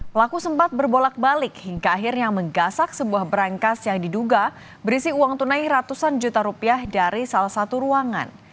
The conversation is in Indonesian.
pelaku sempat berbolak balik hingga akhirnya menggasak sebuah berangkas yang diduga berisi uang tunai ratusan juta rupiah dari salah satu ruangan